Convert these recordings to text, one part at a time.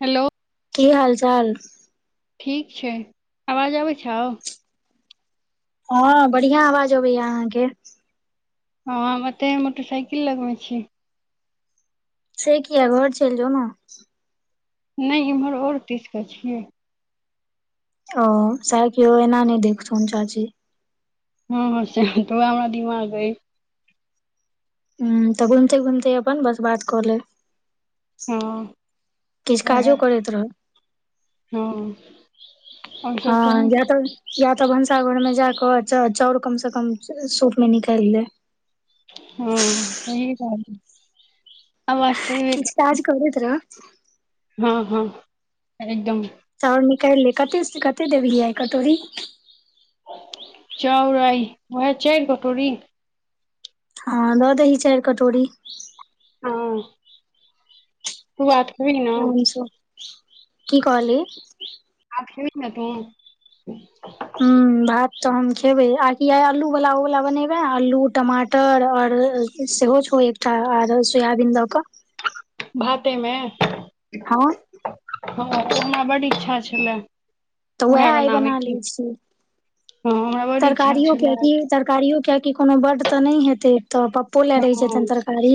Hello. की हाल-चाल। ठीक छै, आवाज अबै छौउ। हँ, बढ़िया आवाज अबैया अहाँके। हम एत्तै मोटरसाइकिल लग में छी। से किया घर चलि जो ने। नहि इम्हर ओहर तीसके छियै। ओ सेह की ओहिना नहि देखथुन चाची। हँ श त हमरा दिमाग अइ। ह तऽ घूमिते-घूमिते अपन बस बात कऽ ले। हाँ। किछ काजो करैत रह। हँ आओर सब हँ कही या तऽ या तऽ भंस। सा घर में जाकऽ चाउर कम से कम सूप में निकालि ले। हँ सही कहलि। किछ काज करैत रह। कर हँ हँ एकदम। चाउर निकैल ले, कते, कते देवही आय कटोरी। चाउड़ आइ वहै चार कटोरी। हँ दऽ दही चाइर कटोरी। हँ। आराम सँ [unintelligible] की कहली। ठीक ने तु। हूं। भात तऽ हम खेबै, आ कि आई अल्लू वाला ओवाला बनेबै, अल्लू टमाटर आओर। सेहो छौ एकटा, आर सोयाबीन दऽ कऽ। भातेमें। हँ। हँ, ओ हमरा बड्ड इच्छा छलै। तऽ उएह आइ बना लै छि। ओ हमरा ब। तरकारियो कियाकि, तरकारियो कियाकि कोनो बड्ड तऽ नहि हेतै, तऽ पप्पो लए रहै हँ जेताइन तरकारी।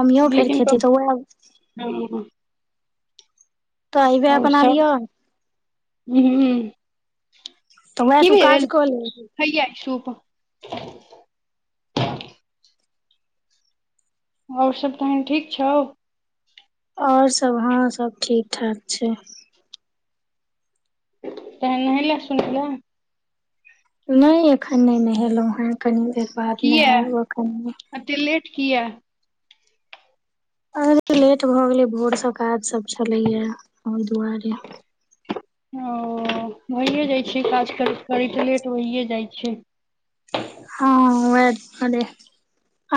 मम्मियो फेर लेकिन खेती तऽ ओ। और सभ, लिअ हूं। तऽ वएह की तू काज भेल, कऽ ले हैया छै सूप। आओर सभ तहन ठीक छौ। और सभ हँ सभ ठीक-ठाक छै। तोहें नहैले-सुनैलें? नई एखन नई नहेलहुँ हे कनि देर बाद नहैब अखन ओ कीए। अरे लेट भऽ गेलै भोरसँ काज सभ छलैए ओई दुआरे। ओ, होहिए जाइ छैय काज करैत - करैत लेट होईये जाइ छैय। हँ, वहे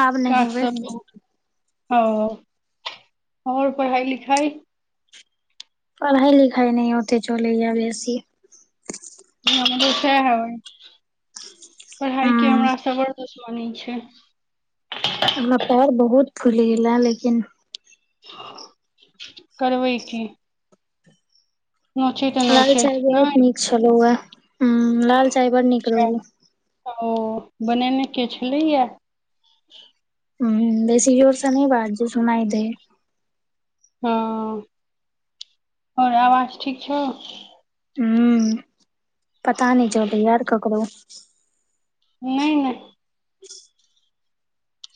आब काज नहेबई। सब बहुत। ओ और पढ़ाई -लिखाइ। पढ़ाई-लिखाई नहि ओते चलैये बैसी। हमरो सैह अई पढ़ाई के हूँ हमरा सबर मनै छैय। हमरा पैर बहुत फुलि गेलए लेकिन करबै की। नोचैत लाल नोचैत चाइ बहुत नहि नीक छलौए। हुं लाल चाइ बड़ नीक अच्छा, रहौ। ओ बनेने के छलैयै। हुम्म बेसी जोरस नहि बाज जे सुनाइ दै। हँ और आवाज ठीक छौ। हूँ पता नई चलई यार ककरो। नई नहि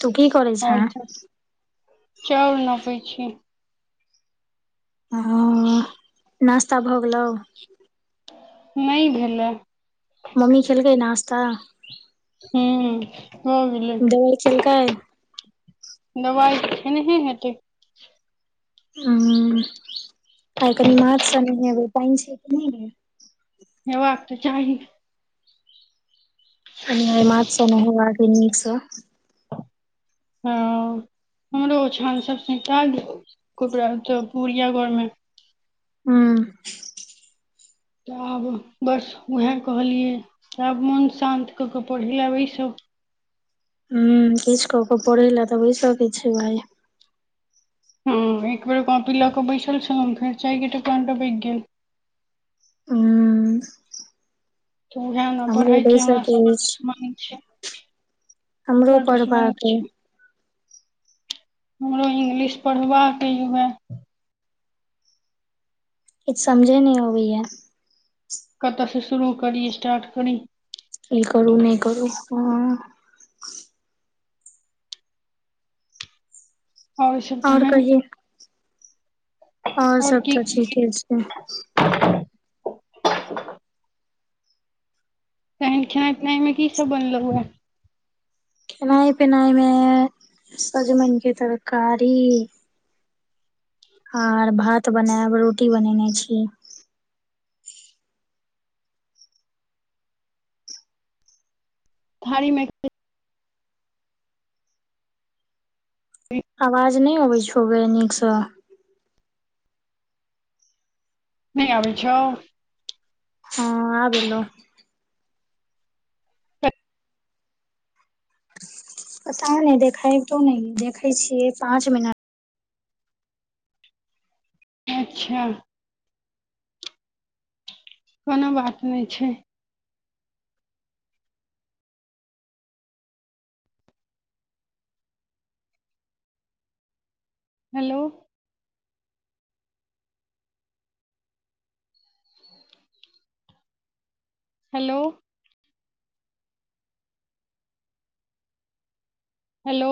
तू की करई आओर छैं। चाउर नपै छी। ह ह। [inaudible] नास्ता भऽ गेलउ। नई भेल ऐ। मम्मी खेलकै नाश्ता। हूं। दबाई खेलकै। दबाईत खेनहे हेतै। हं, आई कनि माथस नहेबई पाईन छै कि नईगे। हेबाक तऽ चाही। कनि आइ माथसँ नहेबाक अई नीकस। हँ। हमरो ओछान सभ सैंता गेल कोबरा च पुबरिया घरमे। हूँ। तऽ आब बस उएह कहलियै जे आब मोन शान्त कऽ कऽ पढ़य लै बैसु। हं, किछ कऽ कऽ पढ़ैलै तऽ बैस के छैय भाई। हँ, एकबर काँपी लऽ कऽ बैसल छलऊं फेर चाय के टपकान टपैक गेल। [inaudible] तऽ उएह नऽ हमरो पढ़ाईके बैसऽ हमरा के सऽ बड़ अछि दुश्मनी छैय। हमरो बड दुश्मनी पढ़बाक अइ छिये। हमरो इंग्लिश पढ़बाक अई हुए। किछ समझे नै अबैयै। कतऽ से शुरू करी, स्टार्ट करी। ई करू नहि करू हुं। आओर ईसभ तहैन। आओर सब तऽ करी। ठीके छैय। [inaudible] तहैन खेनाय-पिनाय मे की सब बनलौ वाए? खेनाय-पिनाय मे सजमैन के तरकारी आर भात बनाएब, रोटी बनैने छी। थारी मे अवाज ने आबै छो गे नीक से। नै आबै छौ। हाँ आब एलो। पता नै देखैतो नै, देखै छियै पाँच मिनट। अच्छा। कुनो बात नै छै। हेलो। हेलो। हेलो।